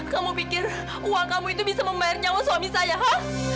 kamu pikir uang kamu itu bisa membayar nyawa suami saya ho